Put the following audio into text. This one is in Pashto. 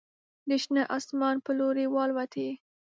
د شنه اسمان په لوري والوتې